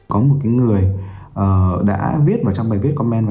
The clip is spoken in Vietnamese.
có một người đã viết vào trong bài viết comment